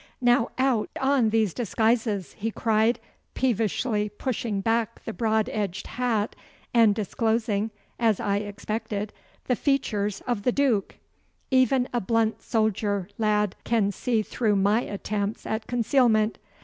'Now out on these disguises!' he cried, peevishly pushing back the broad edged hat and disclosing, as I expected, the features of the Duke. 'Even a blunt soldier lad can see through my attempts at concealment.